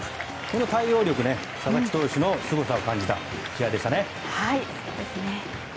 この対応力、佐々木投手のすごさを感じた試合でしたね。